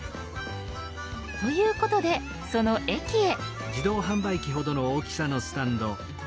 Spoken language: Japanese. ということでその駅へ。